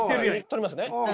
取りますね。